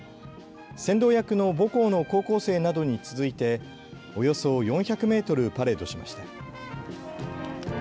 先導役の母校の高校生などに続いておよそ４００メートルパレードしました。